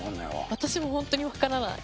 私も本当に分からない。